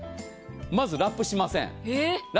まずラップしません。